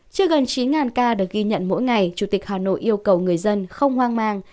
trước gần chín ca được ghi nhận mỗi ngày chủ tịch hà nội yêu cầu người dân không hoang mang